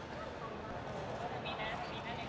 ขอมองกล้องลายเสือบขนาดนี้นะคะ